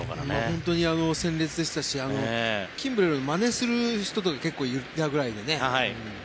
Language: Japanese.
本当に鮮烈でしたしキンブレルをまねする人が結構いたぐらいでね。